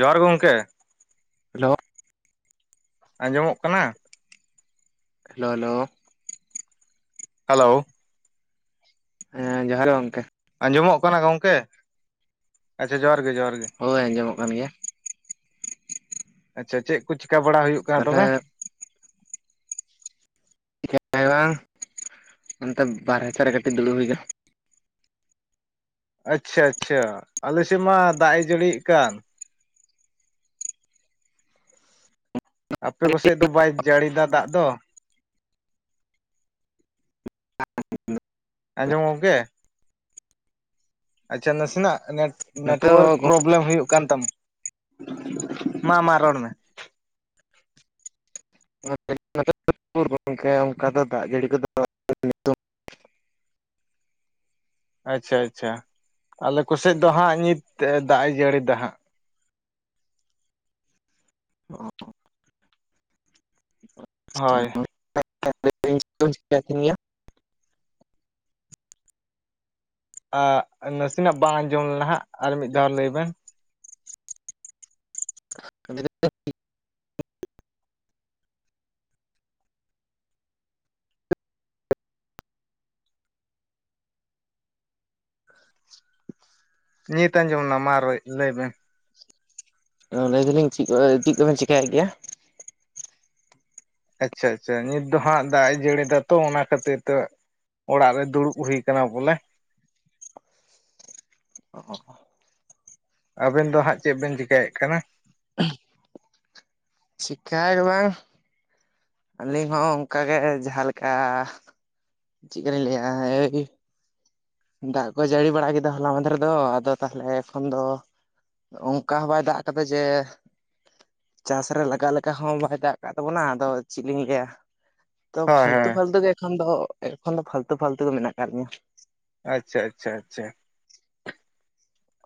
ᱡᱚᱦᱟᱨ ᱜᱮ ᱜᱚᱝᱠᱮ ᱦᱮᱞᱳ ᱟᱸᱡᱚᱢᱚᱜ ᱠᱟᱱᱟ? ᱦᱮᱞᱳ ᱦᱮᱞᱳ ᱦᱮᱞᱳ ᱦᱮᱸ ᱡᱚᱦᱟᱨ ᱜᱮ ᱜᱚᱢᱠᱮ᱾ ᱟᱸᱡᱚᱢᱚᱜ ᱠᱟᱱᱟ ᱜᱚᱝᱠᱮ ᱟᱪᱷᱟ ᱡᱚᱦᱟᱨ ᱜᱮ ᱡᱚᱦᱟᱨ ᱜᱮ ᱦᱳᱭ ᱟᱸᱡᱚᱢᱚᱜ ᱠᱟᱱ ᱜᱮᱭᱟ᱾ ᱟᱪᱪᱷᱟ ᱪᱮᱫ ᱠᱚ ᱪᱤᱠᱟᱵᱟᱲᱟ ᱦᱩᱭᱩᱜᱼᱟ? ᱛᱟᱦᱚᱞᱮ ᱪᱤᱠ ᱵᱟᱝ ᱚᱱᱛᱮ ᱵᱟᱨᱦᱮ ᱥᱮᱫ ᱨᱮ ᱠᱟᱹᱴᱤᱡ ᱫᱩᱲᱩᱵ ᱦᱩᱭ ᱠᱟᱱᱟ ᱟᱪᱪᱷᱟ ᱟᱪᱪᱷᱟ ᱟᱞᱮ ᱥᱮᱫ ᱢᱟ ᱫᱟᱜ ᱮ ᱡᱟᱹᱲᱤᱭᱮᱫ ᱠᱟᱱ᱾ ᱟᱯᱮ ᱠᱚᱥᱮᱡ ᱫᱚ ᱵᱟᱭ ᱡᱟᱹᱲᱤᱭᱟ ᱫᱟᱜ ᱫᱚ ᱟᱸᱡᱚᱢ ᱜᱚᱝᱠᱮ ᱟᱪᱪᱷᱟ ᱱᱟᱥᱮᱱᱟᱜ ᱱᱚᱛᱮ ᱱᱮᱴᱣᱟᱨᱠ ᱦᱚᱸ ᱯᱨᱚ ᱮᱢ ᱦᱩᱭᱩᱜ ᱠᱟᱱ ᱛᱟᱢ ᱢᱟ ᱢᱟ ᱨᱚᱲ ᱢᱮ [unintelligible] [unintelligible] ᱜᱚᱝᱠᱮ ᱚᱱᱠᱟ ᱫᱚ ᱫᱟᱜ ᱡᱟᱹᱲᱤ ᱠᱚ ᱫᱚ ᱟᱪᱪᱷᱟ ᱟᱪᱪᱷᱟ ᱟᱞᱮ ᱠᱚᱥᱮᱫ ᱫᱚ ᱦᱟᱸᱜ ᱱᱤᱛ ᱫᱟᱜ ᱮ ᱡᱟᱹᱲᱤ ᱫᱟ ᱦᱟᱸᱜ ᱦᱳᱭ [unintelligible] ᱟᱺ ᱱᱟᱥᱮᱱᱟᱜ ᱵᱟᱝ ᱟᱸᱡᱚᱢ ᱞᱮᱱᱟ ᱦᱟᱜ ᱟᱨ ᱢᱤᱫ ᱫᱷᱟᱣ ᱞᱟᱹᱭ ᱵᱮᱱ ᱢᱤ [unintelligible] ᱱᱤᱛ ᱟᱸᱡᱚᱢᱱᱟ ᱢᱟ ᱨᱟ. ᱭ ᱞᱟᱹᱭ ᱵᱮᱱ ᱚ ᱞᱟᱹᱭ ᱫᱟᱞᱤᱧ ᱪᱮᱫ ᱠᱚ ᱪᱮᱫ ᱠᱚᱵᱮᱱ ᱪᱮᱠᱟᱭᱮᱫ ᱜᱮᱭᱟ? ᱟᱪᱪᱷᱟ ᱟᱪᱪᱷᱟ ᱱᱤᱛ ᱫᱚ ᱦᱟᱸᱜ ᱫᱟᱜ ᱮ ᱡᱟᱹᱲᱤᱫᱟ ᱛᱚ ᱚᱱᱟ ᱠᱷᱟᱹᱛᱤᱨ ᱛᱮ ᱚᱲᱟᱜ ᱨᱮ ᱫᱩᱲᱩᱵ ᱦᱩᱭ ᱟᱠᱟᱱᱟ ᱵᱚᱞᱮ᱾ ᱚ ᱟᱵᱮᱱ ᱫᱚ ᱦᱟᱸᱜ ᱪᱮᱫ ᱵᱮᱱ ᱪᱤᱠᱟᱹᱭᱮᱫ ᱠᱟᱱᱟ? [unintelligible] ᱪᱤᱠᱟ. ᱭ ᱜᱮ ᱵᱟᱝ᱾ ᱟᱹᱞᱤᱧ ᱦᱚᱸ ᱚᱱᱠᱟ ᱜᱮ ᱡᱟᱦᱟᱸ ᱞᱮᱠᱟ᱾ ᱪᱮᱫ ᱠᱟ. ᱞᱤᱧ ᱞᱟᱹᱭᱟ ᱦᱮᱹᱭ ᱫᱟᱜ ᱠᱚ ᱡᱟᱹᱲᱤ ᱵᱟᱲᱟ ᱠᱮᱫᱟ ᱦᱚᱞᱟ ᱢᱟᱫᱷᱮᱨᱫᱚ ᱟᱫᱚ ᱛᱟᱦᱚᱞᱮ ᱮᱠᱷᱚᱱ ᱫᱚ᱾ ᱚᱱᱠᱟ ᱦᱚᱸ ᱵᱟᱭ ᱫᱟᱜ ᱠᱟᱫᱟ ᱡᱮ ᱪᱟᱥ ᱨᱮ ᱞᱟᱜᱟᱜ ᱞᱮᱠᱟ ᱦᱚᱸ ᱵᱟᱭ ᱫᱟᱜ ᱟᱠᱟᱫ ᱛᱟᱵᱚᱱᱟ ᱟᱫᱚ ᱪᱮᱫ ᱞᱤᱧ ᱞᱟᱹᱭᱟ? ᱛᱚ ᱦᱳᱭ ᱯᱷᱟᱞᱛᱩ ᱦᱳᱭ ᱯᱷᱟᱞᱛᱩ ᱜᱮ ᱫᱚ ᱯᱷᱟᱞᱛᱩ ᱯᱷᱟᱞᱛᱩ ᱜᱮ ᱢᱮᱱᱟᱜ ᱟᱠᱟᱫ ᱞᱤᱧᱟ᱾ ᱟᱪᱷᱟ ᱟᱪᱷᱟ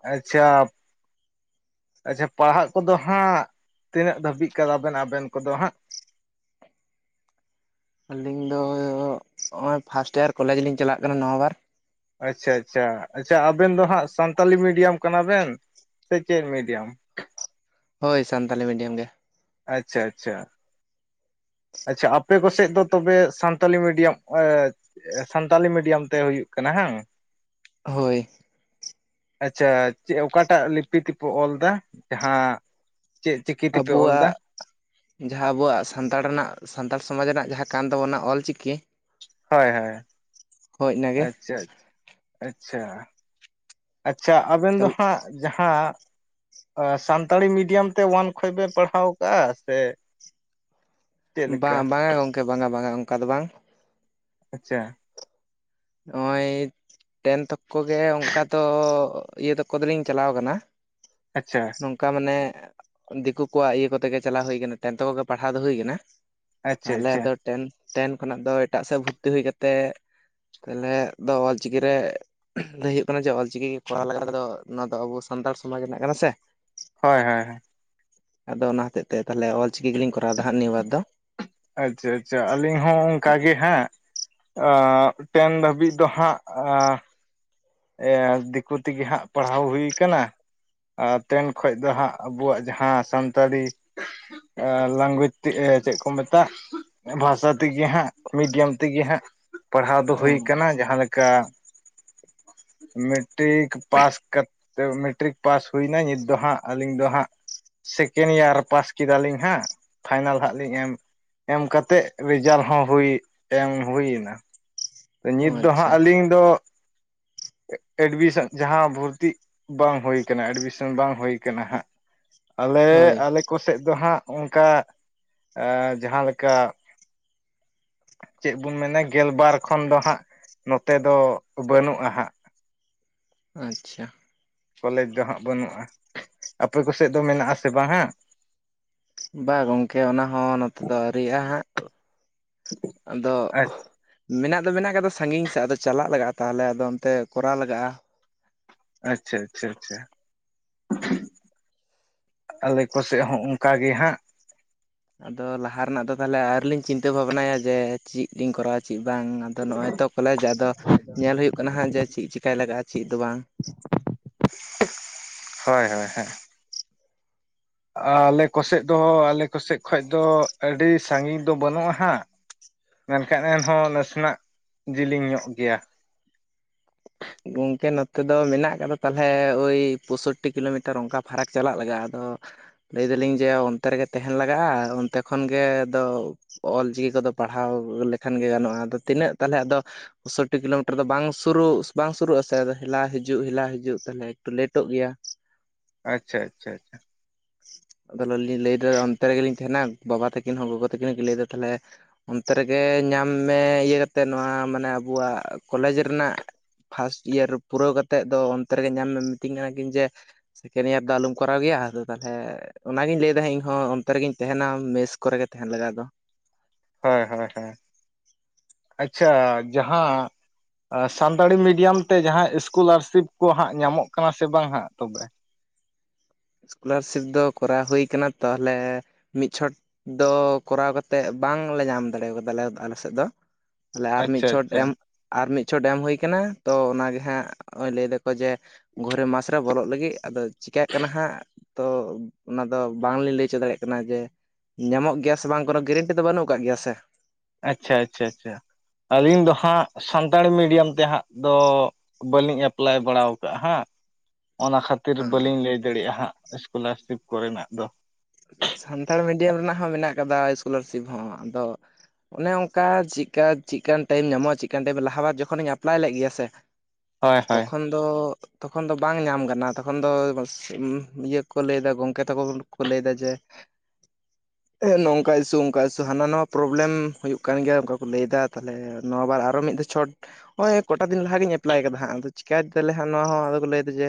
ᱟᱪᱪᱷᱟ ᱟᱪᱪᱷᱟ ᱯᱟᱲᱦᱟᱜ ᱠᱚᱫᱚ ᱦᱟᱸᱜ ᱛᱤᱱᱟᱹᱜ ᱫᱷᱟᱹᱵᱤᱡ ᱠᱟᱫᱟ ᱵᱮᱮᱱ ᱟᱵᱮᱱ ᱠᱚᱫᱚ ᱦᱟᱸᱜ? ᱟᱹᱞᱤᱧ ᱫᱚ ᱱᱚᱜᱼᱚᱭ ᱯᱷᱟᱥᱴ ᱤᱭᱟᱨ ᱠᱚᱞᱮᱡᱽ ᱞᱤᱧ ᱪᱟᱞᱟᱜ ᱠᱟᱱᱟ ᱱᱚᱶᱟ ᱵᱟᱨ ᱟᱪᱷᱟ ᱟᱪᱷᱟ ᱟᱪᱷᱟ ᱟᱵᱮᱱ ᱫᱚ ᱦᱟᱸᱜ ᱥᱟᱱᱛᱟᱞᱤ ᱢᱤᱰᱤᱭᱟᱢ ᱠᱟᱱᱟ ᱵᱮᱱ ᱥᱮ ᱪᱮᱫ ᱢᱤᱰᱤᱭᱟᱢ? ᱦᱳᱭ ᱥᱟᱱᱛᱟᱞᱤ ᱢᱤᱰᱤᱭᱟᱢ ᱜᱮ᱾ ᱟᱪᱪᱷᱟ ᱟᱪᱪᱷᱟ ᱟᱪᱪᱷᱟ ᱟᱯᱮ ᱠᱚᱥᱮᱫ ᱫᱚ ᱛᱚᱵᱮ ᱥᱟᱱᱛᱟᱞᱤ ᱢᱤᱰᱤᱭᱟᱢ ᱮ. ᱥᱟᱱᱛᱟᱞᱤ ᱢᱤᱰᱤᱭᱟᱢ ᱛᱮ ᱦᱩᱭᱩᱜ ᱠᱟᱱᱟ ᱦᱟᱝ? ᱦᱳᱭ ᱟᱪᱪᱷᱟ ᱪᱮᱫ ᱚᱠᱟᱴᱟᱜ ᱞᱤᱯᱤ ᱛᱮᱯᱮ ᱚᱞ ᱮᱫᱟ ᱡᱟᱦᱟᱸ? ᱪᱮᱫ ᱪᱤᱠᱤ ᱛᱮᱯᱮ ᱚᱞ ᱮᱫᱟ ᱟᱵᱚᱣᱟᱜ ᱡᱟᱦᱟᱸ ᱟᱵᱚᱣᱟᱜ ᱥᱟᱱᱛᱟᱲ ᱨᱮᱱᱟᱜ ᱥᱟᱱᱛᱟᱲ ᱥᱚᱢᱟᱡᱽ ᱨᱮᱱᱟᱜ ᱡᱟᱦᱟᱸ ᱠᱟᱱ ᱛᱟᱵᱚᱱᱟ ᱚᱞ ᱪᱤᱠᱤ ᱤᱱᱟᱹᱜᱮ ᱦᱳᱭᱻᱦᱳᱭᱻᱟᱪᱪᱷᱟᱻᱟᱪᱪᱷᱟᱻᱟᱪᱪᱷᱟ ᱾ ᱟᱪᱪᱷᱟ ᱟᱵᱮᱱ ᱫᱚ ᱦᱟᱸᱜ ᱡᱟᱦᱟᱸ ᱥᱟᱱᱛᱟᱲᱤ ᱢᱤᱰᱤᱭᱟᱢ ᱛᱮ ᱚᱳᱣᱟᱱ ᱠᱷᱚᱡ ᱯᱮ ᱯᱟᱲᱦᱟᱣ ᱠᱟᱜ-ᱟ ᱥᱮ? ᱪᱮᱫ ᱞᱮᱠᱟ ᱵᱟᱝ ᱵᱟᱝᱟ ᱜᱚᱢᱠᱮ ᱵᱟᱝᱟ ᱵᱟᱝᱟ ᱚᱱᱠᱟ ᱫᱚ ᱵᱟᱝ᱾ ᱟᱪᱪᱷᱟ᱾ ᱱᱚᱜᱼᱚᱭ ᱴᱮᱱ ᱛᱚᱠᱠᱚ ᱜᱮ ᱚᱱᱠᱟ ᱫᱚ ᱤᱭᱟᱹ ᱛᱚᱠᱠᱚ ᱫᱚᱞᱤᱧ ᱪᱟᱞᱟᱣ ᱠᱟᱱᱟ ᱾ ᱟᱪᱪᱷᱟ᱾ ᱱᱚᱝᱠᱟ ᱢᱟᱱᱮ ᱫᱤᱠᱩ ᱠᱚᱣᱟᱜ ᱤᱭᱟᱹ ᱠᱚᱛᱮ ᱜᱮ ᱪᱟᱞᱟᱣ ᱦᱩᱭ ᱠᱟᱱᱟ, ᱚᱮᱱᱛᱮ ᱠᱚᱜᱮ ᱯᱟᱲᱦᱟᱣ ᱫᱚ ᱦᱩᱭ ᱠᱟᱱᱟ ᱾ ᱟᱪᱪᱷᱟ ᱛᱟᱦᱚᱞᱮ ᱟᱪᱪᱷᱟ ᱟᱫᱚ ᱴᱮᱱ ᱠᱷᱚᱱᱟᱜ ᱫᱚ ᱮᱴᱟᱜ ᱥᱮᱫ ᱵᱷᱩᱨᱛᱤ ᱦᱩᱭ ᱠᱟᱛᱮᱜ ᱛᱟᱦᱚᱞᱮ ᱫᱚ ᱚᱞᱪᱤᱠᱤ ᱨᱮ ᱩᱸ ᱞᱟᱹᱭ ᱦᱩᱭᱩᱜ ᱠᱟᱱᱟ ᱡᱮ ᱚᱞ ᱪᱤᱠᱤ ᱜᱮ ᱠᱚᱨᱟᱣ ᱞᱮᱠᱷᱟᱱ ᱫᱚ ᱱᱚᱶᱟ ᱫᱚ ᱟᱵᱚ ᱥᱟᱱᱛᱟᱲ ᱥᱚᱢᱟᱡᱽ ᱨᱮᱱᱟᱜ ᱠᱟᱱᱟ ᱥᱮ᱾ ᱦᱚᱭᱻᱦᱚᱭᱻᱦᱚᱭ᱾ ᱟᱫᱚ ᱚᱱᱟ ᱦᱚᱛᱮᱡ ᱛᱮ, ᱛᱟᱦᱚᱞᱮ ᱚᱞ ᱪᱤᱠᱤ ᱜᱮᱞᱤᱧ ᱠᱚᱨᱟᱣ ᱫᱟ ᱦᱟᱸᱜ ᱱᱤᱭᱟᱹ ᱵᱟᱨ ᱫᱚ᱾ ᱟᱪᱪᱷᱟᱻᱟᱪᱪᱟ ᱟᱹᱞᱤᱧ ᱦᱚᱸ ᱚᱱᱠᱟ ᱜᱮ ᱦᱟᱸᱜ᱾ ᱟᱸᱻ ᱴᱮᱱ ᱫᱷᱟᱹᱵᱤᱡ ᱫᱚ ᱦᱟᱸᱜ ᱟᱸ ᱮ ᱫᱤᱠᱩ ᱛᱤᱜᱤ ᱦᱟᱸᱜ ᱯᱟᱲᱦᱟᱣ ᱦᱩᱭ ᱠᱟᱱᱟ ᱾ ᱴᱮᱱ ᱠᱷᱚᱡ ᱫᱚ ᱦᱟᱸᱜ ᱟᱵᱚᱣᱟᱜ ᱡᱟᱦᱟᱸ ᱥᱟᱱᱛᱟᱲᱤ᱾ ᱮ ᱞᱟᱝᱜᱽᱣᱮᱡᱽ ᱛᱮ ᱪᱮᱫ ᱠᱚ ᱢᱮᱛᱟᱜ? ᱵᱷᱟᱥᱟ ᱛᱮᱜᱮ ᱦᱟᱸᱜ, ᱢᱤᱰᱤᱭᱚᱢ ᱛᱮᱜᱮ ᱦᱟᱸᱜ, ᱯᱟᱲᱦᱟᱣ ᱫᱚ ᱚ ᱦᱩᱭ ᱠᱟᱱᱟ ᱡᱟᱦᱟᱸᱞᱮᱠᱟᱼᱼ ᱢᱮᱴᱴᱤᱠ ᱯᱟᱥ ᱠᱟᱼᱼ ᱛᱟᱹᱣ ᱢᱮᱴᱨᱤᱠ ᱯᱟᱥ ᱦᱩᱭᱱᱟ ᱱᱤᱛ ᱫᱚ ᱦᱟᱸᱜ ᱟᱹᱞᱤᱧ ᱫᱚ ᱦᱟᱸᱜᱼᱼ ᱥᱮᱠᱮᱱ ᱤᱭᱟᱨ ᱯᱟᱥ ᱠᱮᱫᱟ ᱞᱤᱧ ᱦᱟᱸᱜ, ᱯᱷᱟᱭᱱᱮᱞ ᱦᱟᱸᱜ ᱞᱤᱧ ᱮᱢᱼᱼ ᱮᱢ ᱠᱟᱛᱮᱜ ᱨᱮᱡᱟᱞ ᱦᱚᱸ ᱦᱩᱭ ᱮᱢ ᱦᱩᱭ ᱱᱟ᱾ ᱱᱤᱛ ᱫᱚ ᱦᱟᱸᱜ ᱟᱪᱪᱷᱟ ᱟᱹᱞᱤᱧ ᱫᱚ ᱮᱰᱢᱤᱥᱚᱱ ᱡᱟᱦᱟᱸ ᱵᱷᱩᱨᱛᱤᱜ ᱵᱟᱝ ᱦᱩᱭ ᱠᱟᱱᱟ ᱮᱰᱢᱤᱥᱚᱱ ᱵᱟᱝ ᱦᱩᱭᱩ ᱠᱟᱱᱟ ᱦᱟᱸᱜ ᱟᱞᱮ ᱦᱳᱭ ᱟᱞᱮᱠ ᱟᱠᱚ ᱥᱮᱜ ᱫᱚ ᱦᱟᱸᱜ ᱚᱱᱠᱟ ᱮᱸ ᱡᱟᱦᱟᱸ ᱞᱮᱠᱟ ᱪᱮᱜ ᱵᱚᱱ ᱢᱮᱱᱟ ᱜᱮᱞᱵᱟᱨ ᱠᱷᱚᱱ ᱫᱚ ᱦᱟᱸᱜ, ᱱᱚᱛᱮ ᱫᱚ ᱵᱟᱹᱱᱩᱜ-ᱟ ᱦᱟᱸᱜ᱾ ᱟᱸᱪᱪᱷᱟ᱾ ᱠᱚᱞᱮᱡᱽ ᱫᱚ ᱦᱟᱸᱜ ᱵᱟᱱᱩᱜ-ᱟ, ᱟᱯᱮ ᱠᱚᱥᱮᱜ ᱫᱚ ᱢᱮᱱᱟᱜ-ᱟ, ᱥᱮ ᱵᱟᱝ ᱦᱟᱸᱜ? ᱵᱟ ᱜᱚᱝᱠᱮ ᱚᱱᱟ ᱦᱚᱸ ᱱᱚᱛᱮ ᱫᱚ ᱟᱹᱣᱨᱤᱭᱟᱜ-ᱟ ᱦᱟᱸᱜ᱾ ᱟᱫᱚᱜ ᱢᱮᱱᱟᱜ ᱫᱚ ᱢᱮᱱᱟᱜ ᱠᱟᱫᱟ ᱥᱟᱸᱜᱤᱧ ᱥᱮᱜ ᱟᱫᱚ ᱪᱟᱞᱟᱜ ᱞᱟᱜᱟᱜ-ᱟ, ᱛᱟᱦᱚᱞᱮ ᱟᱫᱚ ᱚᱱᱛᱮ ᱠᱚᱨᱟᱣ ᱞᱟᱜᱟᱜ-ᱟ᱾ ᱟᱪᱪᱷᱟᱻᱟᱪᱷᱟᱻᱟᱪᱷᱟ᱾ ᱟᱞᱮ ᱠᱚᱥᱮᱜ ᱦᱚᱸ ᱚᱱᱠᱟ ᱜᱮ ᱦᱟᱸᱜ ᱾ ᱟᱫᱚ ᱞᱟᱦᱟ ᱨᱮᱱᱟᱜ ᱫᱚ ᱛᱟᱦᱚᱞᱮ ᱟᱣᱨᱤ ᱞᱤᱧ ᱪᱤᱱᱛᱟᱹ ᱵᱷᱟᱵᱽᱱᱟ ᱭᱟ, ᱡᱮ ᱪᱤᱜ ᱞᱤᱧ ᱠᱚᱨᱟᱣᱼᱟ ᱪᱤᱜ ᱵᱟᱝ᱾ ᱟᱫᱚ ᱱᱚᱜ-ᱚᱭ ᱛᱚ ᱠᱚᱞᱮᱡᱽ ᱟᱫᱚ ᱧᱮᱞ ᱦᱩᱭᱩᱜ ᱠᱟᱱᱟ, ᱦᱟᱸᱜ ᱡᱮ ᱪᱤᱜ ᱪᱤᱠᱟᱭ ᱞᱟᱜᱟᱜ-ᱟ ᱪᱤᱜ ᱫᱚ ᱵᱟᱝ᱾ ᱦᱚᱭᱻᱦᱚᱭᱻᱦᱮᱸ᱾ ᱚᱻ ᱟᱞᱮ ᱠᱚᱥᱮᱜ ᱫᱚ ᱟᱞᱮ ᱠᱚᱥᱮᱡ ᱠᱷᱚᱡ ᱫᱚ ᱟᱹᱰᱤ ᱥᱟᱸᱜᱤᱧ ᱫᱚ ᱵᱟᱹᱱᱩᱜ-ᱟ ᱦᱟᱸᱜ᱾ ᱢᱮᱱ ᱠᱷᱟᱱ ᱮᱱᱦᱚᱸ ᱱᱟᱹᱥᱤᱱᱟᱜ ᱡᱤᱞᱤᱧ ᱧᱚᱜ ᱜᱮᱭᱟ᱾ ᱜᱚᱝᱠᱮ ᱱᱚᱛᱮ ᱫᱚ ᱢᱮᱱᱟᱜ ᱠᱟᱫᱟ ᱛᱟᱞᱦᱮ ᱳᱭ ᱯᱚᱸᱥᱳᱚᱴᱴᱤ ᱠᱤᱞᱳᱢᱤᱴᱟᱨ ᱚᱱᱠᱟ ᱯᱷᱟᱨᱟᱠ ᱪᱟᱞᱟᱜ ᱞᱟᱜᱟᱜ-ᱟ, ᱟᱫᱚ ᱞᱟᱹᱭ ᱫᱟᱹᱞᱤᱧ ᱡᱮ ᱚᱱᱛᱮ ᱨᱮᱜᱮ ᱛᱮᱦᱮᱱ ᱞᱟᱜᱟᱜ-ᱟ, ᱚᱱᱛᱮ ᱠᱷᱚᱱ ᱜᱮ ᱫᱚ ᱚᱞ ᱪᱤᱠᱤ ᱠᱚᱫᱚ ᱯᱟᱲᱦᱟᱣ ᱞᱮᱠᱷᱟᱱ ᱜᱮ ᱜᱟᱱᱚᱜ-ᱟ, ᱟᱫᱚ ᱛᱤᱱᱟᱹᱜ ᱛᱟᱦᱚᱞᱮ ᱟᱫᱚ ᱯᱳᱥᱚᱴᱴᱤ ᱠᱤᱞᱳᱢᱤᱴᱟᱨ ᱫᱚ ᱵᱟᱝ ᱥᱩᱨᱩᱨᱜ ᱵᱟᱝ ᱥᱩᱨᱩᱜ-ᱟ ᱥᱮ ᱦᱮᱞᱟ ᱦᱤᱡᱩᱜ ᱦᱮᱞᱟ ᱦᱤᱡᱩᱜ ᱛᱟᱦᱚᱞᱮ ᱮᱠᱴᱩ ᱞᱮᱴᱚᱜ ᱜᱮᱭᱟ᱾ ᱟᱪᱪᱷᱟᱻᱟᱪᱷᱟᱻᱟᱪᱷᱟ᱾ ᱟᱫᱚ ᱞᱤᱧ ᱞᱟᱹᱭ ᱫᱟ ᱚᱱᱛᱮ ᱨᱮᱜᱮ ᱞᱤᱧ ᱛᱮᱦᱮᱸᱱᱟ ᱵᱟᱵᱟ ᱛᱟᱹᱠᱤᱱ ᱦᱚᱸ ᱜᱚᱜᱚ ᱛᱟᱹᱠᱤᱱ ᱦᱚᱸ ᱠᱤᱱ ᱞᱟᱹᱭ ᱫᱟ ᱛᱟᱞᱦᱮ ᱚᱱᱛᱮ ᱨᱮᱜᱮ ᱧᱟᱢ ᱢᱮ ᱤᱭᱟᱹ ᱠᱟᱛᱮᱜ ᱱᱚᱣᱟ ᱢᱟᱱᱮ ᱟᱹᱵᱩᱣᱟᱜ ᱠᱚᱞᱮᱡᱽ ᱨᱮᱱᱟᱜ ᱯᱷᱟᱥᱴ ᱤᱭᱟᱨ ᱯᱩᱨᱟᱹᱣ ᱠᱟᱛᱮᱜ ᱫᱚ, ᱚᱱᱛᱮ ᱨᱮᱜᱮ ᱧᱟᱢ ᱢᱮ ᱢᱤᱛᱤᱧ ᱠᱟᱱᱟ ᱠᱤᱱ ᱡᱮ ᱥᱮᱠᱮᱱ ᱤᱭᱟᱨ ᱫᱚ ᱟᱞᱩᱢ ᱠᱚᱨᱟᱣ ᱜᱮᱭᱟ ᱟᱫᱚ ᱛᱟᱞᱦᱮ ᱚᱱᱟ ᱜᱤᱧ ᱞᱟᱹᱭ ᱫᱟ ᱤᱧᱦᱚᱸ ᱚᱱᱛᱮ ᱨᱮᱜᱤᱧ ᱛᱟᱦᱮᱱᱟ ᱢᱮᱥ ᱠᱚᱨᱮ ᱜᱮ ᱛᱮᱦᱮᱱ ᱞᱟᱜᱟᱜ ᱫᱚ᱾ ᱦᱚᱭ ᱦᱚᱭ ᱦᱚᱭ ᱟᱪᱪᱷᱟ ᱡᱟᱦᱟᱸᱼᱼ ᱟ ᱥᱟᱱᱛᱟᱲᱤ ᱢᱤᱰᱤᱭᱚᱢ ᱛᱮ ᱡᱟᱦᱟᱸ ᱤᱥᱠᱩᱞᱟᱨᱥᱤᱯ ᱠᱚ ᱦᱟᱸᱜ ᱧᱟᱢᱚᱜ ᱠᱟᱱᱟ ᱥᱮ ᱵᱟᱝ ᱦᱟᱸᱜ ᱛᱚᱵᱮ ᱤᱥᱠᱚᱞᱟᱨᱥᱤᱯ ᱫᱚ ᱠᱚᱨᱟᱣ ᱦᱩᱭ ᱠᱟᱱᱟ ᱛᱟᱦᱚᱞᱮ ᱢᱤᱫ ᱪᱷᱚᱴᱼᱼ ᱫᱚ ᱠᱚᱨᱟᱣ ᱠᱟᱛᱮᱜ ᱵᱟᱝ ᱞᱮ ᱧᱟᱢ ᱫᱟᱲᱮᱣ ᱠᱟᱫᱟ ᱞᱮ ᱟᱞᱮ ᱥᱮᱜ ᱫᱚ᱾ ᱛᱟᱦᱚᱞᱮ ᱟᱨ ᱢᱤᱫ ᱟᱪᱪᱷᱟ ᱪᱷᱚᱴ ᱟᱪᱪᱷᱟ ᱮᱢ ᱟᱨ ᱢᱤᱫ ᱪᱷᱚᱴ ᱮᱢ ᱦᱩᱭ ᱠᱟᱱᱟ ᱛᱚ ᱚᱱᱟᱜᱮ ᱦᱟᱸᱜ ᱚᱸᱭ ᱞᱟᱹᱭ ᱫᱟᱼᱼ ᱠᱚ ᱡᱮ ᱜᱷᱚᱨᱮ ᱢᱟᱥ ᱨᱮ ᱵᱚᱞᱚᱜ ᱞᱟᱹᱜᱤᱫ ᱟᱫᱚ ᱪᱤᱠᱟᱜ ᱠᱟᱱᱟ ᱦᱟᱸᱜ᱾ ᱛᱚ ᱚᱱᱟ ᱫᱚ ᱵᱟᱝ ᱞᱤᱧ ᱞᱟᱹᱭ ᱪᱚ ᱫᱟᱲᱮᱜ ᱠᱟᱱᱟ ᱡᱮᱼᱼ ᱧᱟᱢᱚᱜ ᱜᱮᱭᱟ ᱥᱮ ᱵᱟᱝ ᱠᱚᱱᱚ ᱜᱮᱨᱮᱱᱴᱤ ᱫᱚ ᱵᱟᱹᱱᱩᱜ ᱟᱠᱟᱜ ᱜᱮᱭᱟ ᱥᱮ᱾ ᱟᱪᱪᱷᱟ ᱟᱪᱷᱟ ᱟᱪᱷᱟ ᱟᱹᱞᱤᱧ ᱫᱚ ᱦᱟᱸᱜ ᱥᱟᱱᱛᱟᱲᱤ ᱢᱤᱰᱤᱭᱟᱢ ᱛᱮ ᱦᱟᱸᱜ ᱫᱚᱼᱼ ᱵᱟᱹᱞᱤᱧ ᱮᱯᱞᱟᱭ ᱵᱟᱲᱟ ᱟᱠᱟᱜ-ᱟ ᱦᱮᱸ᱾ ᱚᱱᱟ ᱠᱷᱟᱹᱛᱤᱨ ᱵᱟᱹᱞᱤᱧ ᱞᱟᱹᱭ ᱫᱟᱲᱮᱭᱟᱜᱼᱟ ᱦᱟᱸᱜ ᱥᱠᱚᱞᱟᱨᱥᱤᱯ ᱠᱚᱨᱮᱱᱟᱜ ᱫᱚ ᱥᱟᱱᱛᱟᱲ ᱢᱤᱰᱤᱭᱟᱢ ᱨᱮᱱᱟᱜ ᱦᱚᱸ ᱢᱮᱱᱟᱜ ᱠᱟᱫᱟ ᱥᱠᱚᱞᱟᱨᱥᱤᱯ ᱦᱚᱸ ᱟᱫᱚ ᱚᱱᱮ ᱚᱱᱠᱟ ᱪᱮᱠᱟ ᱪᱮᱫᱠᱟᱱ ᱴᱟᱭᱤᱢ ᱧᱟᱢᱚᱜᱼᱟ ᱪᱮᱠᱟ ᱴᱟᱭᱤᱢ ᱞᱟᱦᱟ ᱵᱟᱫᱽ ᱡᱚᱠᱷᱚᱱᱤᱧ ᱮᱯᱞᱟᱭ ᱞᱮᱫ ᱜᱮᱭᱟ ᱥᱮ ᱦᱳᱭ ᱦᱳᱭ ᱛᱚᱠᱷᱚᱱ ᱛᱚ ᱛᱚᱠᱷᱚᱱ ᱫᱚ ᱵᱟᱝ ᱧᱟᱢ ᱠᱟᱱᱟ ᱛᱚᱠᱷᱚᱱ ᱫᱚ ᱤᱭᱟᱹ ᱠᱚ ᱞᱟᱹᱭᱮᱫᱟ ᱜᱚᱢᱠᱮ ᱛᱟᱠᱚ ᱠᱚ ᱞᱟᱹᱭ ᱫᱟ ᱡᱮ [inaudible] ᱮᱸ ᱱᱚᱝᱠᱟ ᱤᱥᱥᱩ ᱚᱱᱠᱟ ᱤᱥᱥᱩ ᱦᱟᱱᱟ ᱱᱟᱮᱟ ᱯᱨᱚᱵᱞᱮᱢ ᱦᱩᱭᱩᱜ ᱠᱟᱱ ᱜᱮᱭᱟ ᱚᱱᱠᱟ ᱠᱚ ᱞᱟᱹᱭᱮᱫᱟ ᱛᱟᱦᱚᱞᱮ ᱱᱚᱣᱟ ᱵᱟᱨ ᱟᱨᱚ ᱢᱤᱫ ᱫᱚ ᱪᱷᱚᱴ ᱱᱚᱜᱼᱚᱭ ᱠᱚᱴᱟ ᱫᱤᱱ ᱞᱟᱦᱟ ᱜᱤᱧ ᱮᱯᱞᱟᱭ ᱠᱟᱫᱟ ᱦᱟᱸᱜ ᱟᱫᱚ ᱪᱤᱠᱟᱭ ᱫᱟᱞᱮ ᱱᱚᱣᱟ ᱦᱚᱸ ᱟᱫᱚ ᱠᱚ ᱞᱟᱹᱭᱫᱟ ᱡᱮ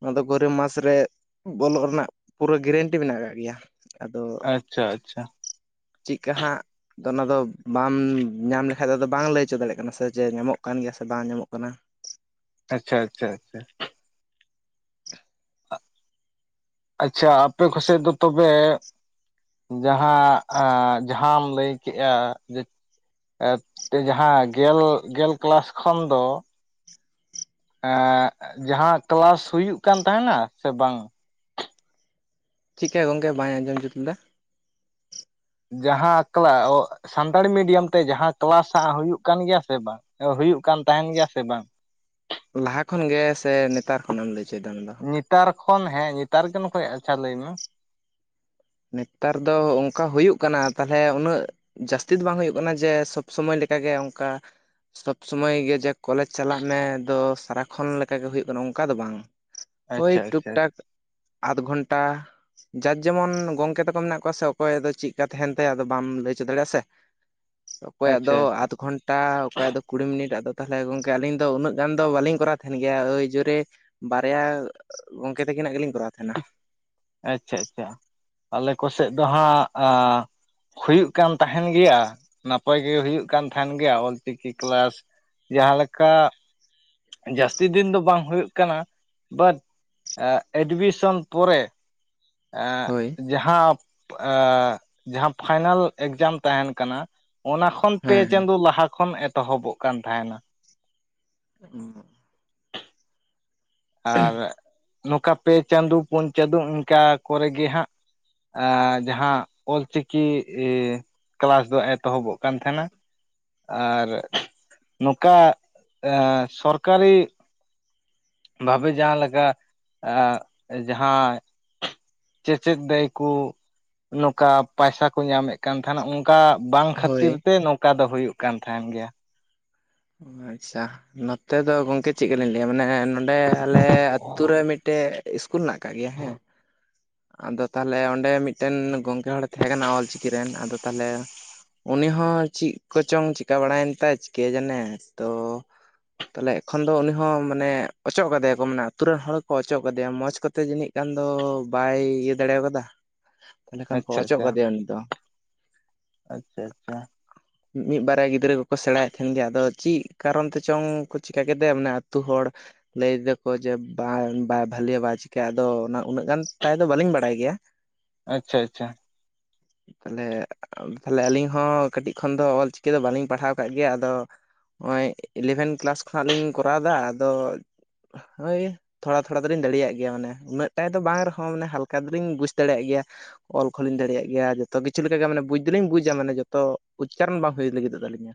ᱚᱱᱟ ᱫᱚ ᱜᱚᱨᱚᱢ ᱢᱟᱥ ᱨᱮ ᱵᱚᱞᱚᱜ ᱨᱮᱱᱟᱜ ᱯᱩᱨᱟᱹ ᱜᱮᱨᱮᱱ ᱢᱮᱱᱟᱜ ᱠᱟᱜ ᱜᱮᱭᱟ ᱟᱫᱚ ᱟᱪᱪᱷᱟ ᱟᱪᱪᱷᱟ ᱪᱮᱫᱠᱟ ᱦᱟᱸᱜ ᱟᱫᱚ ᱚᱱᱟᱫᱚ ᱵᱟᱢ ᱧᱟᱢ ᱞᱮᱠᱷᱟᱡ ᱫᱚ ᱟᱫᱚ ᱵᱟᱝᱢ ᱞᱟᱹᱭ ᱦᱚᱪᱚ ᱫᱟᱲᱮᱭᱟᱜ ᱠᱟᱱᱟ ᱥᱮ ᱡᱮ ᱧᱟᱢᱚᱜ ᱠᱟᱱ ᱜᱮᱭᱟ ᱥᱮ ᱵᱟᱝ ᱧᱟᱢᱚᱜ ᱠᱟᱱᱟ ᱟᱪᱪᱷᱟ ᱟᱪᱪᱷᱟ ᱟᱪᱪᱷᱟ ᱟᱪᱪᱷᱟ ᱟᱯᱮ ᱠᱚᱥᱮᱫ ᱫᱚ ᱛᱚᱵᱮ ᱡᱟᱦᱟᱸ ᱡᱟᱦᱟᱸᱟᱢ ᱞᱟᱹᱭ ᱠᱮᱜᱼᱟ ᱡᱮ ᱡᱟᱦᱟᱸ ᱜᱮᱞ ᱜᱮᱞ ᱠᱞᱟᱥ ᱠᱷᱚᱱ ᱫᱚ ᱡᱟᱦᱟᱸ ᱛᱚᱞᱟᱥ ᱦᱩᱭᱩᱜ ᱠᱟᱱ ᱛᱟᱦᱮᱱᱟ ᱥᱮ ᱵᱟᱝ ᱪᱮᱠᱟ ᱜᱚᱝᱠᱮ ᱵᱟᱭ ᱟᱸᱡᱚᱢ ᱡᱩᱫ ᱞᱮᱫᱟ ᱡᱟᱦᱟᱸ ᱮᱠᱞᱟ ᱚᱜ ᱥᱟᱱᱛᱟᱲᱤ ᱢᱤᱰᱤᱭᱟᱢ ᱛᱮ ᱡᱟᱦᱟᱸ ᱠᱮᱞᱟᱥᱟᱜ ᱦᱩᱭᱩᱜ ᱠᱟᱱ ᱜᱮᱭᱟ ᱥᱮ ᱵᱟᱝ ᱦᱩᱭᱩᱜ ᱠᱟᱱ ᱛᱟᱦᱮᱱ ᱜᱮᱭᱟ ᱥᱮ ᱵᱟᱝ ᱞᱟᱦᱟ ᱠᱷᱚᱱ ᱜᱮ ᱥᱮ ᱱᱮᱛᱟᱨ ᱠᱷᱚᱱᱮ ᱮᱢ ᱞᱟᱹᱭᱦᱚᱪᱚᱭᱮᱫᱟ ᱚᱱᱟᱫᱚ ᱱᱮᱛᱟᱨ ᱠᱷᱚᱱ ᱦᱮᱸ ᱱᱮᱛᱟᱨᱜ ᱱᱚ ᱠᱷ ᱟᱪᱪᱷᱟ ᱞᱟᱹᱭ ᱢᱮ ᱱᱮᱛᱟᱨ ᱫᱚ ᱚᱱᱠᱟ ᱦᱩᱭᱩᱜ ᱠᱟᱱᱟ ᱛᱟᱦᱞᱮ ᱩᱱᱟᱹᱜ ᱡᱟᱹᱥᱛᱤ ᱫᱚ ᱵᱟᱝ ᱦᱩᱭᱩᱜ ᱠᱟᱱᱟ ᱡᱮ ᱥᱚᱵ ᱥᱚᱢᱚᱭ ᱞᱮᱠᱟᱜᱮ ᱚᱱᱠᱟ ᱥᱚᱵᱽ ᱥᱚᱢᱚᱭ ᱜᱮ ᱡᱮ ᱠᱚᱞᱮᱡᱽ ᱪᱟᱞᱟᱜ ᱢᱮ ᱫᱚ ᱥᱟᱨᱟᱠᱷᱚᱱ ᱞᱮᱠᱟ ᱜᱮ ᱦᱩᱭᱩᱜ ᱠᱟᱱᱟ ᱚᱱᱠᱟ ᱫᱚ ᱵᱟᱝ ᱳᱭ ᱟᱪᱪᱷᱟ ᱴᱩᱠ ᱟᱪᱪᱷᱟ ᱴᱟᱠ ᱟᱫᱷ ᱜᱷᱚᱱᱴᱟ ᱡᱟᱨ ᱡᱮᱢᱚᱱ ᱜᱚᱝᱠᱮ ᱛᱟᱠᱚ ᱢᱮᱱᱟᱜ ᱠᱚᱣᱟ ᱥᱮ ᱚᱠᱚᱭ ᱫᱚ ᱪᱮᱫᱠᱟ ᱛᱟᱦᱮᱱ ᱛᱟᱭᱟ ᱟᱫᱚ ᱵᱟᱢ ᱞᱟᱹᱭᱦᱚᱪᱚ ᱫᱟᱲᱮᱭᱟᱜ-ᱟ ᱥᱮ ᱟᱪᱪᱷᱟ ᱚᱠᱚᱭᱟᱜ ᱫᱚ ᱟᱪᱪᱷᱟ ᱟᱪᱪᱷᱟ ᱟᱫ ᱠᱷᱚᱱᱴᱟ ᱴᱟ ᱚᱠᱚᱭ ᱫᱚ ᱠᱩᱲᱤ ᱢᱤᱱᱤᱴ ᱟᱫᱚ ᱛᱟᱦᱚᱞᱮ ᱜᱚᱝᱠᱮ ᱟᱹᱞᱤᱧ ᱫᱚ ᱩᱱᱟᱹᱜ ᱜᱟᱱ ᱫᱚ ᱵᱟᱞᱤᱧ ᱠᱚᱨᱟᱣ ᱛᱟᱦᱮᱱ ᱜᱮᱭᱟ ᱳᱭ ᱡᱳᱨᱮ ᱵᱟᱨᱭᱟ ᱜᱚᱝᱠᱮ ᱛᱠᱤᱱᱟᱜ ᱜᱮᱞᱤᱧ ᱠᱚᱨᱟᱣ ᱛᱟᱦᱮᱱᱟ ᱟᱪᱪᱷᱟ ᱟᱪᱪᱷᱟ ᱟᱞᱮ ᱠᱚᱥᱮᱫ ᱫᱚ ᱦᱟᱸᱜ ᱦᱩᱭᱩᱜ ᱠᱟᱱ ᱛᱟᱦᱮᱱ ᱜᱮᱭᱟ ᱱᱟᱯᱟᱭ ᱜᱮ ᱦᱩᱭᱩᱜ ᱠᱟᱱ ᱛᱟᱦᱮᱱ ᱜᱮᱭᱟ ᱚᱞᱪᱤᱠᱤ ᱠᱮᱞᱟᱥ ᱡᱟᱦᱟᱸᱞᱮᱠᱟ ᱡᱟᱹᱥᱛᱤ ᱫᱤᱱ ᱫᱚ ᱵᱟᱝ ᱦᱩᱭᱩᱜ ᱠᱟᱱᱟ ᱵᱟᱴ ᱮᱰᱢᱤᱥᱚᱱ ᱯᱚᱨᱮ ᱟᱨ ᱦᱳᱭ [unintelligible] ᱡᱟᱦᱟᱸ ᱮᱻᱡᱟᱦᱟᱸ ᱯᱷᱟᱭᱱᱟᱞ ᱮᱠᱡᱟᱢ ᱛᱟᱦᱮᱱ ᱠᱟᱱᱟ ᱚᱱᱟ ᱠᱷᱚᱱ ᱯᱮ ᱦᱮᱸ ᱦᱮᱸ ᱪᱟᱸᱫᱳ ᱞᱟᱦᱟ ᱠᱷᱚᱱ ᱮᱛᱚᱦᱚᱵᱚᱜ ᱠᱟᱱ ᱛᱟᱦᱮᱱᱟ ᱦᱮᱸ [unintelligible] ᱟᱨ ᱱᱚᱝᱠᱟ ᱯᱮ ᱪᱟᱸᱫᱳ ᱯᱩᱱ ᱪᱟᱸᱫᱳ ᱤᱱᱠᱟ ᱠᱚᱨᱮ ᱜᱮ ᱦᱟᱸᱜ ᱡᱟᱦᱟᱸ ᱚᱞ ᱪᱤᱠᱤ ᱠᱮᱞᱟᱥ ᱫᱚ ᱮᱛᱚᱦᱚᱵᱚᱜ ᱠᱟᱱ ᱛᱟᱦᱮᱱᱟ ᱟᱨ ᱱᱚᱝᱠᱟ ᱥᱚᱨᱠᱟᱨᱤ ᱵᱷᱟᱵᱮ ᱡᱟᱦᱟᱸᱞᱮ ᱞᱮᱠᱟ ᱡᱟᱦᱟᱸ ᱪᱮᱻᱪᱮᱫ ᱫᱟᱹᱭ ᱠᱚ ᱱᱚᱝᱠᱟ ᱯᱟᱭᱥᱟ ᱠᱚ ᱧᱟᱢᱮᱫ ᱠᱟᱱ ᱛᱟᱦᱮᱱᱟ ᱱᱚᱝᱠᱟ ᱵᱟᱝ ᱦᱳᱭ ᱠᱷᱟᱹᱛᱤᱨ ᱛᱮ ᱱᱚᱝᱠᱟ ᱫᱚ ᱦᱩᱭᱩᱜ ᱠᱟᱱ ᱛᱟᱦᱮᱱ ᱜᱮᱭᱟ ᱟᱪᱪᱷᱟ ᱱᱚᱛᱮ ᱫᱚ ᱜᱚᱝᱠᱮ ᱪᱮᱫ ᱞᱮᱠᱟᱞᱤᱧ ᱞᱟᱹᱭᱟ ᱢᱟᱱᱮ ᱱᱚᱸᱰᱮ ᱟᱞᱮ ᱟᱛᱩ ᱨᱮ ᱢᱤᱫᱴᱮᱡ ᱤᱥᱠᱩᱞ ᱢᱮᱱᱟᱜ ᱟᱠᱟᱜ ᱜᱮᱭᱟ ᱦᱮᱸ ᱟᱫᱚ ᱛᱟᱦᱚᱞᱮ ᱚᱸᱰᱮ ᱢᱤᱫᱴᱮᱱ ᱜᱚᱝᱠᱮ ᱦᱚᱲᱮ ᱛᱟᱸᱦᱮ ᱠᱟᱱᱟ ᱚᱞᱪᱤᱠᱤ ᱨᱮᱱ ᱟᱫᱚ ᱛᱟᱦᱚᱞᱮ ᱩᱱᱤ ᱦᱚᱸ ᱪᱮᱫ ᱠᱚᱪᱚᱝ ᱪᱤᱠᱟᱹ ᱵᱟᱲᱟᱭᱮᱱ ᱛᱟᱭ ᱠᱮᱡᱮᱱᱮ ᱛᱚ ᱛᱟᱦᱚᱞᱮ ᱮᱠᱷᱚᱱ ᱫᱚ ᱩᱱᱤ ᱦᱚᱸ ᱢᱟᱱᱮ ᱚᱪᱚᱜ ᱠᱟᱫᱮᱭᱟ ᱠᱚ ᱢᱟᱱᱮ ᱟᱛᱩ ᱨᱮᱱ ᱦᱚᱲ ᱠᱚ ᱚᱪᱚᱜ ᱠᱟᱫᱮᱭᱟ ᱢᱚᱸᱡᱽᱛᱮ ᱡᱟᱹᱱᱤᱡ ᱮᱠᱷᱟᱱ ᱫᱚ ᱵᱟᱭ ᱤᱭᱟᱹ ᱫᱟᱲᱮ ᱠᱟᱫᱟ ᱛᱟᱦᱚᱞᱮ ᱠᱷᱟᱱ ᱠᱚ ᱟᱪᱪᱷᱟ ᱚᱪᱚᱜ ᱠᱟᱫᱮᱭᱟ ᱩᱱᱤ ᱫᱚ ᱟᱪᱪᱷᱟ ᱟᱪᱪᱷᱟ ᱢᱤᱫ ᱵᱟᱨᱭᱟ ᱜᱤᱫᱽᱨᱟᱹ ᱠᱚᱠᱚ ᱥᱮᱬᱟᱭᱮᱫ ᱛᱟᱦᱮᱱ ᱜᱮᱭᱟ ᱟᱫᱚ ᱪᱮᱫ ᱠᱟᱨᱚᱱ ᱛᱮ ᱪᱚᱝ ᱠᱚ ᱪᱤᱠᱟᱹ ᱠᱮᱫᱮᱭᱟ ᱢᱟᱱᱮ ᱟᱹᱛᱩ ᱦᱚᱲ ᱞᱟᱹᱭ ᱫᱟᱠᱚ ᱡᱮ ᱵᱟᱭ ᱵᱟᱭ ᱵᱷᱟᱞᱮᱭᱟ ᱪᱤᱠᱟᱭ ᱟᱫᱚ ᱚᱱᱟ ᱩᱱᱟᱹᱜ ᱜᱟᱱ ᱛᱟᱭ ᱫᱚ ᱵᱟᱹᱞᱤᱧ ᱵᱟᱲᱟᱭ ᱜᱮᱭᱟ ᱟᱪᱪᱷᱟ ᱟᱪᱪᱷᱟ ᱛᱟᱦᱚᱞᱮ, ᱛᱟᱦᱚᱞᱮ ᱟᱹᱞᱤᱧ ᱦᱚᱸ ᱠᱟᱹᱴᱤᱡ ᱠᱷᱚᱱ ᱫᱚ ᱚᱞᱪᱤᱠᱤ ᱫᱚ ᱵᱟᱹᱞᱤᱧ ᱯᱟᱲᱦᱟᱣ ᱠᱟᱜ ᱜᱮᱭᱟ ᱟᱫᱚ, ᱱᱚᱜᱼᱚᱭ ᱤᱞᱮᱵᱷᱮᱱ ᱠᱮᱞᱟᱥ ᱠᱷᱚᱱᱟᱜ ᱞᱤᱧ ᱠᱚᱨᱟᱣ ᱮᱫᱟ ᱟᱫᱚ ᱦᱳᱭ ᱛᱷᱚᱲᱟ ᱛᱷᱚᱲᱟ ᱛᱞᱤᱧ ᱫᱟᱲᱮᱭᱟᱜ ᱜᱮᱭᱟ ᱢᱟᱱᱮ ᱩᱱᱟᱹᱜ ᱴᱟᱜ ᱫᱚ ᱵᱟᱝ ᱢᱟᱱᱮ ᱦᱟᱞᱠᱟ ᱫᱚᱞᱤᱧ ᱵᱩᱡᱽ ᱫᱟᱲᱮᱭᱟᱜ ᱜᱮᱭᱟ ᱚᱞ ᱠᱚᱞᱤᱧ ᱫᱟᱲᱮᱭᱟᱜ ᱜᱮᱭᱟ ᱡᱚᱛᱚ ᱠᱤᱪᱷᱩ ᱞᱮᱠᱟᱜᱮ ᱢᱟᱱᱮ ᱵᱩᱡᱽ ᱫᱚᱞᱤᱧ ᱵᱩᱡᱟ ᱢᱟᱱᱮ ᱡᱚᱛᱚ ᱩᱪᱪᱟᱨᱚᱱ ᱵᱟᱝ ᱦᱩᱭ ᱞᱟᱹᱜᱤᱫᱚᱜ ᱛᱟᱹᱞᱤᱧᱟ,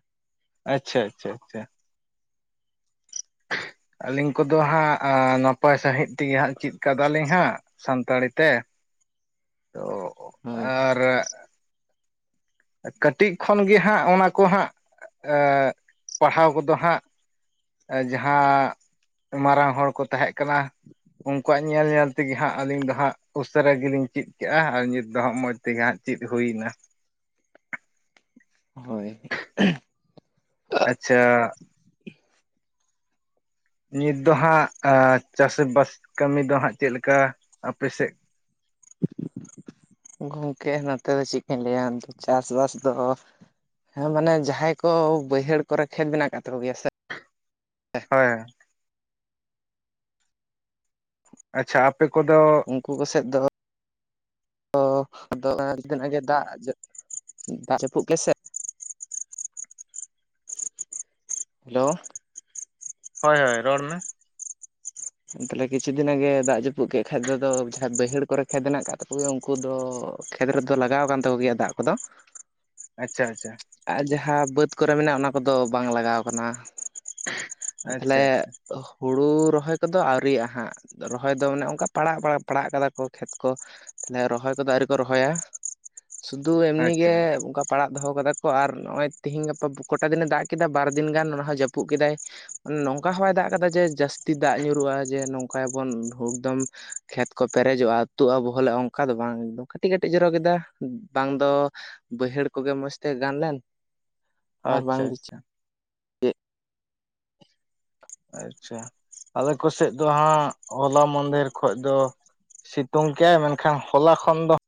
ᱟᱪᱪᱷᱟ ᱟᱪᱪᱷᱟ ᱟᱪᱪᱷᱟ ᱟᱹᱞᱤᱧ ᱠᱚᱫᱚ ᱦᱟᱸᱜ ᱱᱟᱯᱟᱭ ᱥᱟᱺᱦᱤᱡ ᱛᱮᱜᱮ ᱦᱟᱸᱜ ᱪᱤᱫ ᱠᱟᱫᱟᱞᱤᱧ ᱦᱟᱸᱜ ᱥᱟᱱᱛᱟᱲᱤ ᱛᱮ ᱛᱚ ᱦᱳᱭ [inaudible] ᱠᱟᱹᱴᱤᱡ ᱠᱷᱚᱱ ᱜᱮ ᱦᱟᱸᱜ ᱚᱱᱟ ᱠᱚ ᱦᱟᱸᱜ ᱯᱟᱲᱦᱟᱣ ᱠᱚᱫᱚ ᱦᱟᱸᱜ ᱡᱟᱦᱟᱸ ᱢᱟᱨᱟᱝ ᱦᱚᱲ ᱠᱚ ᱛᱟᱦᱮᱸ ᱠᱟᱱᱟ ᱩᱱᱠᱩᱣᱟᱜ ᱧᱮᱞ ᱧᱮᱞ ᱛᱮᱜᱮ ᱦᱟᱸᱜ ᱟᱹᱞᱤᱧ ᱫᱚ ᱦᱟᱸᱜ ᱩᱥᱟᱹᱨᱟ ᱜᱮᱞᱤᱧ ᱪᱮᱫ ᱠᱮᱜᱼᱟ ᱟᱨ ᱱᱤᱛ ᱫᱚ ᱦᱟᱸᱜ ᱢᱚᱸᱡᱽ ᱛᱮᱜᱮ ᱦᱟᱸᱜ᱾ ᱪᱤᱫ ᱦᱩᱭᱱᱟ ᱦᱳᱭ ᱟᱪᱪᱷᱟ ᱱᱤᱛ ᱫᱚ ᱦᱟᱸᱜ ᱪᱟᱥ ᱵᱟᱥ ᱠᱟᱹᱢᱤ ᱫᱚ ᱦᱟᱸᱜ ᱪᱮᱫ ᱞᱮᱠᱟ ᱟᱯᱮ ᱥᱮᱫ? ᱜᱚᱝᱠᱮ ᱱᱚᱛᱮ ᱫᱚ ᱪᱮᱫ ᱠᱟᱧ ᱞᱟᱹᱭᱟ ᱪᱟᱥᱵᱟᱥ ᱫᱚ ᱦᱮᱸ ᱢᱟᱱᱮ ᱡᱟᱦᱟᱸᱭ ᱠᱚ ᱵᱟᱹᱭᱦᱟᱹᱲ ᱠᱚᱨᱮ ᱠᱷᱮᱛ ᱢᱮᱱᱟᱜ ᱟᱠᱟᱫ ᱛᱟᱠᱚ ᱜᱮᱭᱟ ᱥᱮ ᱦᱳᱭ ᱟᱪᱪᱷᱟ ᱟᱯᱮ ᱠᱚᱫᱚ ᱩᱱᱠᱩ ᱠᱚᱥᱮᱡ ᱫᱚ ᱟᱫᱚ ᱟᱫᱚ ᱮᱸ ᱫᱟᱜ ᱡᱟᱹᱯᱩᱫ ᱜᱮᱥᱮ [inaudible] ᱦᱮᱞᱳ ᱦᱳᱭ ᱦᱳᱭ ᱨᱚᱲ ᱢᱮ ᱛᱟᱦᱚᱞᱮ ᱠᱤᱪᱷᱩ ᱫᱤᱱ ᱟᱜᱮ ᱫᱟᱜ ᱡᱟᱹᱯᱩᱫ ᱠᱮᱫ ᱠᱷᱟᱡ ᱫᱚ ᱟᱫᱚ ᱡᱟᱦᱟᱸᱭ ᱵᱟᱹᱭᱦᱟᱹᱲ ᱠᱚᱨᱮ ᱠᱷᱮᱫᱽ ᱢᱮᱱᱟᱜ ᱠᱟᱫ ᱛᱟᱠᱚ ᱜᱮᱭᱟ ᱩᱱᱠᱩ ᱫᱚ ᱠᱷᱮᱛ ᱨᱮᱫᱚ ᱞᱟᱜᱟᱣ ᱟᱠᱟᱱ ᱛᱟᱠᱚ ᱜᱮᱭᱟ ᱫᱟᱜ ᱠᱚᱫᱚ ᱟᱪᱪᱷᱟ ᱟᱪᱪᱷᱟ ᱟᱨ ᱡᱟᱦᱟᱸ ᱵᱟᱹᱫᱽ ᱠᱚᱨᱮ ᱢᱮᱱᱟᱜ ᱚᱱᱟ ᱠᱚᱫᱚ ᱵᱟᱝ ᱞᱟᱜᱟᱣ ᱠᱟᱱᱟ ᱛᱟᱦᱚᱞᱮ ᱟᱪᱪᱷᱟ ᱟᱪᱪᱷᱟ ᱦᱩᱲᱩ ᱨᱚᱦᱚᱭ ᱠᱚᱫᱚ ᱟᱹᱣᱨᱤᱭᱜ-ᱟ ᱦᱟᱸᱜ ᱨᱚᱦᱚᱭ ᱫᱚ ᱢᱟᱱᱮ ᱚᱱᱠᱟ ᱯᱟᱲᱟᱜ ᱯᱟᱲᱟᱜ ᱠᱟᱫᱟ ᱠᱚ ᱠᱷᱮᱛ ᱠᱚ ᱛᱟᱦᱚᱞᱮ ᱨᱚᱦᱚᱭ ᱠᱚᱫᱚ ᱟᱹᱣᱨᱤ ᱠᱚ ᱨᱚᱦᱚᱭᱟ ᱥᱩᱫᱩ ᱮᱢᱱᱤ ᱟᱪᱪᱷᱟ ᱜᱮ ᱚᱱᱠᱟ ᱯᱟᱲᱟᱜ ᱫᱚᱦᱚ ᱠᱟᱫᱟ ᱠᱚ ᱟᱨ ᱱᱚᱜ-ᱚᱭ ᱛᱤᱦᱤᱧ ᱜᱟᱯᱟ ᱠᱚᱴᱟ ᱫᱤᱱᱮ ᱫᱟᱜ ᱠᱮᱫᱟ ᱵᱟᱨ ᱫᱤᱱ ᱜᱟᱱ ᱚᱱᱟ ᱦᱚᱸ ᱡᱟᱹᱯᱩᱫ ᱠᱮᱫᱟᱭ ᱱᱚᱝᱠᱟ ᱦᱚᱸ ᱵᱟᱭ ᱫᱟᱜ ᱠᱟᱫᱟ ᱡᱮ ᱡᱟᱹᱥᱛᱤ ᱫᱟᱜ ᱧᱩᱨᱩᱜ-ᱟ ᱡᱮ ᱱᱚᱝᱠᱟᱭᱟᱵᱚᱱ ᱮᱠᱫᱚᱢ ᱠᱷᱮᱛ ᱠᱚ ᱯᱮᱨᱮᱡᱚᱜ-ᱟ ᱟᱹᱛᱩᱜ-ᱟ ᱵᱚᱦᱮᱞᱚᱜ-ᱟ ᱚᱱᱠᱟ ᱫᱚ ᱵᱟᱝ ᱮᱠᱫᱚᱢ ᱠᱟᱹᱴᱤᱡ ᱠᱟᱹᱴᱤᱡ ᱡᱚᱨᱚ ᱠᱮᱫᱟ ᱵᱟᱝ ᱫᱚ ᱵᱟᱹᱭᱦᱟᱹᱲ ᱠᱚᱜᱮ ᱢᱚᱡᱽ ᱛᱮ ᱜᱟᱱ ᱞᱮᱱ ᱟᱨ ᱵᱟᱝ ᱟᱪᱪᱷᱟ ᱫᱚ ᱟᱪᱪᱷᱟ ᱟᱪᱪᱷᱟ ᱟᱞᱮ ᱠᱚᱥᱮᱡ ᱫᱚ ᱦᱟᱸᱜ ᱦᱚᱞᱟ ᱢᱟᱱᱫᱷᱮᱨ ᱠᱷᱚᱡ ᱫᱚ ᱥᱤᱛᱩᱝ ᱠᱮᱭᱟᱭ ᱢᱮᱱᱠᱷᱟᱱ ᱦᱚᱞᱟ ᱠᱷᱚᱱ ᱫᱚ,